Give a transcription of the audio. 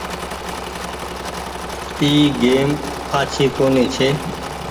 اي گئيم آڇي ڪونيٚ ڇي۔